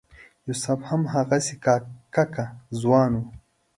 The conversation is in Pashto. یوسف هم هماغسې کاکه ځوان و.